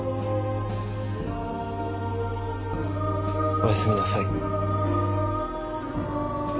おやすみなさい。